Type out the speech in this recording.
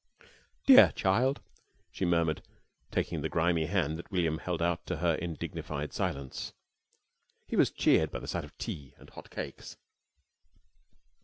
"Dear child!" she murmured, taking the grimy hand that William held out to her in dignified silence. He was cheered by the sight of tea and hot cakes.